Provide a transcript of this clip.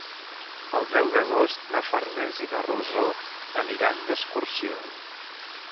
El deu d'agost na Farners i na Rosó aniran d'excursió.